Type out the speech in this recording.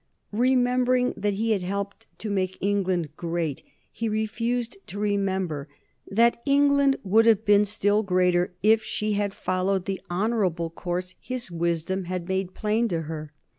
Remembering that he had helped to make England great, he refused to remember that England would have been still greater if she had followed the honorable course his wisdom had made plain to her.